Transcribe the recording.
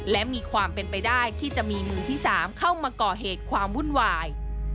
และมีความเป็นไปได้ที่จะมีมือที่๓เข้ามาก่อเหตุความวุ่นวาย